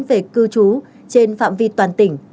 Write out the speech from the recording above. về cư trú trên phạm vi toàn tỉnh